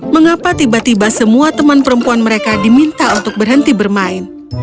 mengapa tiba tiba semua teman perempuan mereka diminta untuk berhenti bermain